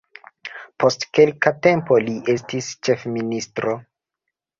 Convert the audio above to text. Post kelka tempo li estis ĉefministro.